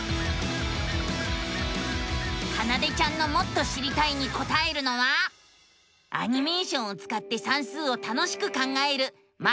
かなでちゃんのもっと知りたいにこたえるのはアニメーションをつかって算数を楽しく考える「マテマティカ２」。